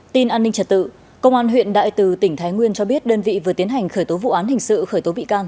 tin an ninh trật tự công an huyện đại từ tỉnh thái nguyên cho biết đơn vị vừa tiến hành khởi tố vụ án hình sự khởi tố bị can